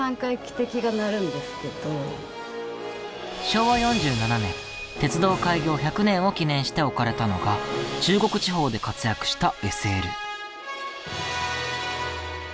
昭和４７年鉄道開業１００年を記念して置かれたのが中国地方で活躍したＳＬ。